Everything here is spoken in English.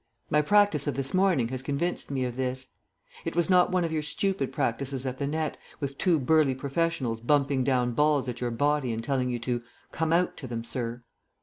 My practice of this morning has convinced me of this. It was not one of your stupid practices at the net, with two burly professionals bumping down balls at your body and telling you to "Come out to them, Sir."